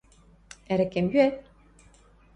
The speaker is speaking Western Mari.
— Ӓрӓкӓм йӱӓт?